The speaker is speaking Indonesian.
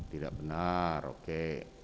tidak benar oke